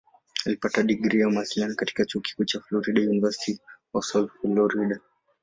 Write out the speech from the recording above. Alipata digrii ya Mawasiliano kutoka Chuo Kikuu cha Florida "University of South Florida".